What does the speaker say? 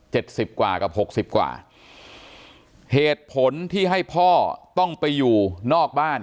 สิบกว่ากับหกสิบกว่าเหตุผลที่ให้พ่อต้องไปอยู่นอกบ้าน